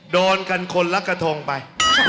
โดนกันคนละกระทงไป